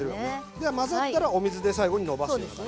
では混ざったらお水で最後にのばすような感じね。